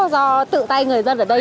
do tự tay người dân ở đây